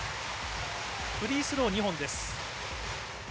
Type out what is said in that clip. フリースロー２本です。